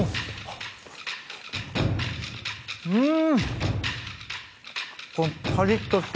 うん！